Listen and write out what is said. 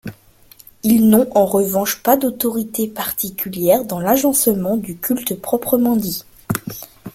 Ils n’ont en revanche pas d’autorité particulière dans l’agencement du culte proprement dit.